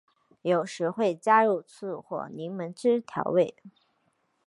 有时会加入醋或柠檬汁调味。